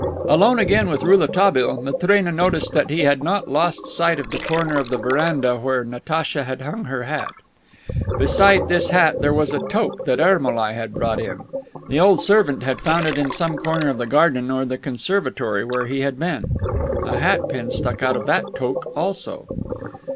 Alone again with Rouletabille, Matrena noticed that he had not lost sight of the corner of the veranda where Natacha had hung her hat. Beside this hat there was a toque that Ermolai had brought in. The old servant had found it in some corner of the garden or the conservatory where he had been. A hat pin stuck out of that toque also.